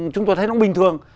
chúng tôi thấy nó cũng bình thường